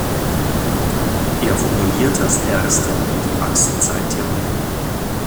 Er formulierte als erster die Achsenzeit-Theorie.